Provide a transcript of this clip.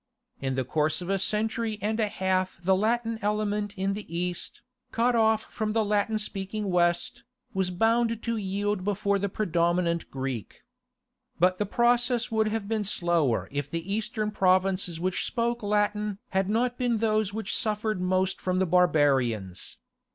In the course of a century and a half the Latin element in the East, cut off from the Latin speaking West, was bound to yield before the predominant Greek. But the process would have been slower if the Eastern provinces which spoke Latin had not been those which suffered most from the barbarians.